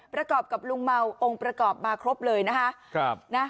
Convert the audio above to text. ประกอบกับลุงเมาองค์ประกอบมาครบเลยนะคะ